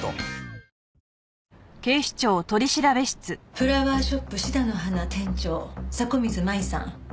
フラワーショップシダの花店長迫水舞さん。